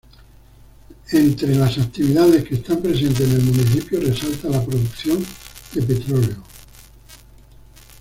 Entre las actividades que están presenten en el municipio, resalta la producción de petroleo.